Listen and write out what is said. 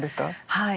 はい。